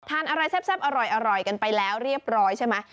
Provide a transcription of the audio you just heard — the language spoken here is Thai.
ทานอะไรแซ่บอร่อยกันไปแล้วเรียบร้อยใช่ไหม